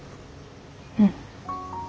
うん。